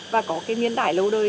và có cái miên đải lâu đời